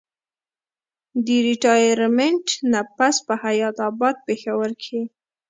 د ريټائرمنټ نه پس پۀ حيات اباد پېښور کښې